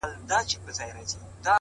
زما لېونۍ و ماته ډېر څه وايي بد څه وايي!